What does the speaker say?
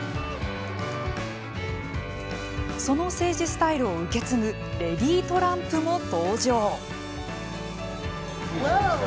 その政治スタイルを受け継ぐレディー・トランプも登場。